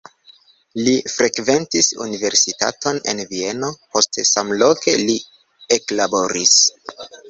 Li frekventis universitaton en Vieno, poste samloke li eklaboris.